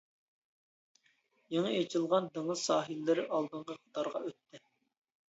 يېڭى ئېچىلغان دېڭىز ساھىللىرى ئالدىنقى قاتارغا ئۆتتى.